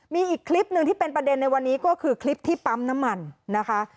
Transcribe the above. มีอีกคลิปหนึ่งที่เป็นประเด็นในวันนี้ก็คือคลิปที่ปั๊มน้ำมันนะคะ